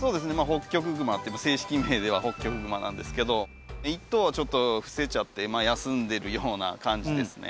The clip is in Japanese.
ホッキョクグマ正式名ではホッキョクグマなんですけど１頭はちょっと伏せちゃって休んでるような感じですね。